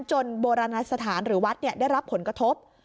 โบราณสถานหรือวัดได้รับผลกระทบ